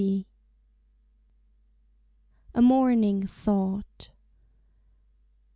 A MORNING THOUGHT.